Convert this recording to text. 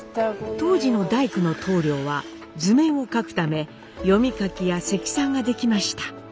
当時の大工の棟梁は図面を書くため読み書きや積算ができました。